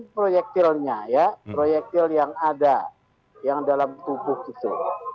proyektilnya ya proyektil yang ada yang dalam tubuh itu